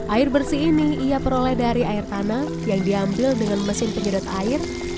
air bersih ini ia peroleh dari air tanah yang diambil dengan mesin penyedot air